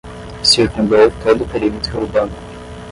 Circundou todo o perímetro urbano